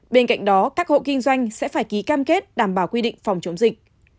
bên cạnh đó các hộ kinh doanh sẽ phải ký cam kết đảm bảo quy định phòng chống dịch